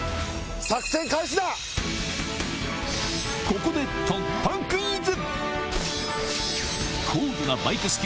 ここで突破クイズ！